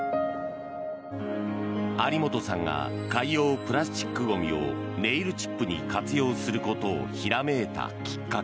有本さんが海洋プラスチックゴミをネイルチップに活用することをひらめいたきっかけ。